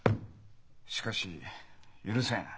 しかし許せん。